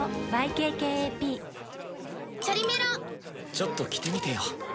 ちょっと着てみてよ！